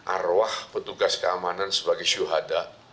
arwah petugas keamanan sebagai syuhada